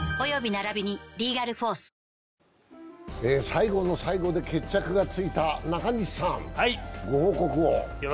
最後の最後で決着がついた、中西さんご報告を。